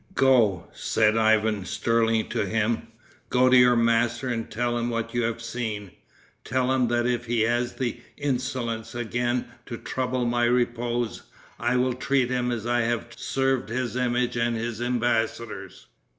"Go," said Ivan sternly to him, "go to your master and tell him what you have seen; tell him that if he has the insolence again to trouble my repose, I will treat him as I have served his image and his embassadors."